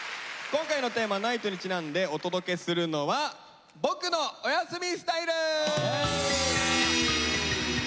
今回のテーマ「ＮＩＧＨＴ」にちなんでお届けするのは「ボクのおやすみスタイル」！